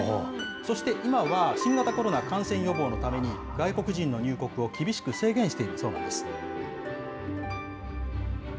そして今は新型コロナ感染予防のために、外国人の入国を厳しく制限しているそうなんです。